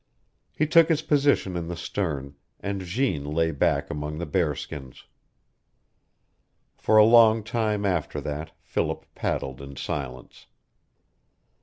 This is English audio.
He took his position in the stern, and Jeanne lay back among the bearskins. For a long time after that Philip paddled in silence.